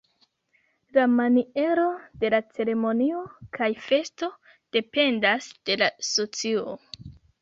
La maniero de la ceremonio kaj festo dependas de la socio.